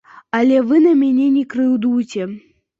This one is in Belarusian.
Але вы на мяне не крыўдуйце.